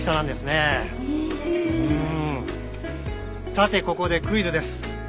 さてここでクイズです。